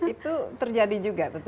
itu terjadi juga